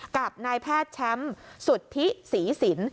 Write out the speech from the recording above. กับนายแพทย์แชมป์สุทธิศรีสิน